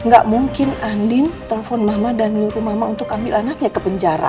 gak mungkin andin telpon mama dan nyuruh mama untuk ambil anaknya ke penjara